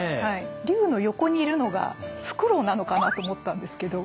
竜の横にいるのがふくろうなのかなと思ったんですけど。